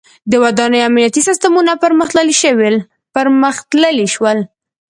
• د ودانیو امنیتي سیستمونه پرمختللي شول.